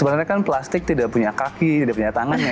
sebenarnya kan plastik tidak punya kaki tidak punya tangan ya